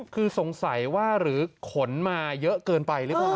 คือสงสัยว่าหรือขนมาเยอะเกินไปหรือเปล่า